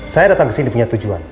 saya datang kesini punya tujuan